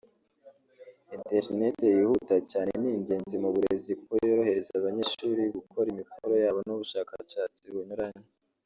Internet yihuta cyane ni ingenzi mu burezi kuko yorohereza abanyeshuri gukora imikoro yabo n’ubushakashatsi bunyuranye